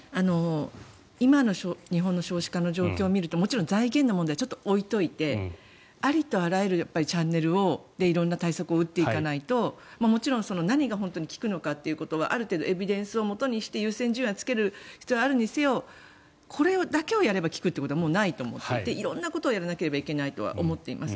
今の日本の少子化の状況を見るともちろん財源の問題はちょっと置いておいてありとあらゆるチャンネルで色んな対策を打っていかないともちろん、何が本当に効くのかということはある程度エビデンスをもとにして優先順位をつける必要はあるにせよこれだけをやれば効くということはもうないと思っていて色んなことをやらなければいけないとは思っています。